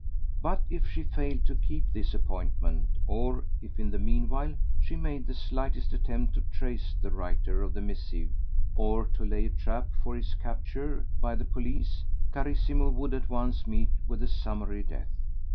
But if she failed to keep this appointment, or if in the meanwhile she made the slightest attempt to trace the writer of the missive or to lay a trap for his capture by the police, Carissimo would at once meet with a summary death.